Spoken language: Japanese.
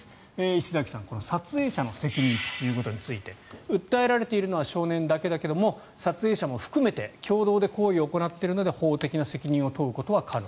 石崎さん、撮影者の責任について訴えられているのは少年だけだけれども撮影者も含めて共同で行為を行っているので法的な責任を問うことは可能。